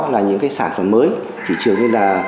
là những cái sản phẩm mới thị trường như là